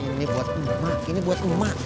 ini buat mama ini buat mama